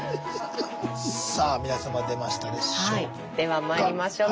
さあ皆様出ましたでしょうか？